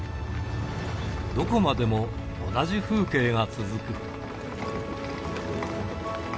どこまでも同じ風景が続く。